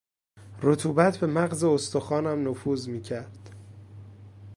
رطوبت به مغز استخوانم نفوذ میکرد.